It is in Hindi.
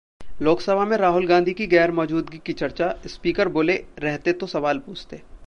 लोकसभा में राहुल गांधी की गैरमौजूदगी की चर्चा, स्पीकर बोले-रहते तो सवाल पूछते